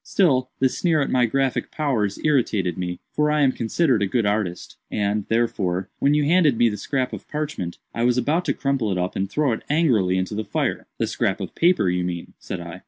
Still, the sneer at my graphic powers irritated me—for I am considered a good artist—and, therefore, when you handed me the scrap of parchment, I was about to crumple it up and throw it angrily into the fire." "The scrap of paper, you mean," said I.